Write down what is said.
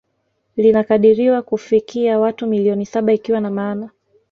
Linakadiriwa kufikia watu milioni saba ikiwa na maana